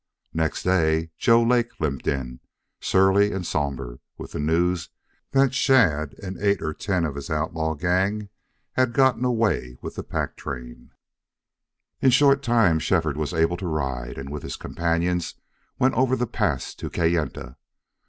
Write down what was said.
Next day Joe Lake limped in, surly and somber, with the news that Shadd and eight or ten of his outlaw gang had gotten away with the pack train. In short time Shefford was able to ride, and with his companions went over the pass to Kayenta.